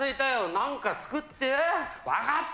何か作って。